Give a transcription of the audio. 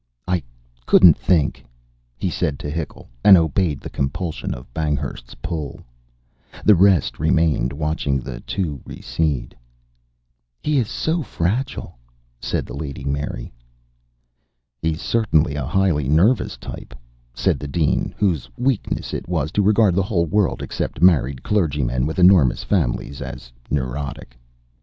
"I couldn't think " he said to Hickle, and obeyed the compulsion of Banghurst's pull. The rest remained watching the two recede. "He is so fragile," said the Lady Mary. "He's certainly a highly nervous type," said the Dean, whose weakness it was to regard the whole world, except married clergymen with enormous families, as "neurotic."